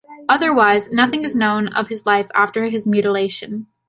Otherwise, nothing is known of his life after his mutilation.